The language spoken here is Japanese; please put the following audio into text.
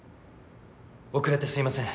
遅れてすいません。